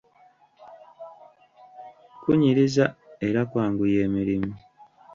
Kunyiriza era kwanguya emirimu.